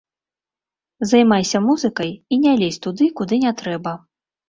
Займайся музыкай і не лезь туды, куды не трэба.